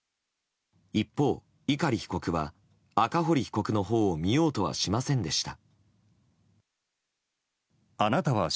一方、碇被告は赤堀被告のほうを見ようとはしませんでした。